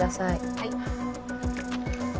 はい。